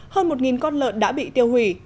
hơn một con lợn đã bị tiêu hủy